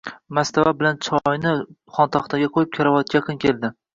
Mastava bilan choyni xontaxtaga qo‘yib, karavotga yaqin keldi